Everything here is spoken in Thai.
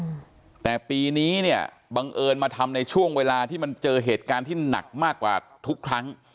อืมแต่ปีนี้เนี่ยบังเอิญมาทำในช่วงเวลาที่มันเจอเหตุการณ์ที่หนักมากกว่าทุกครั้ง